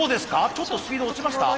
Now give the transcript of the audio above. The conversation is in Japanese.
ちょっとスピード落ちました？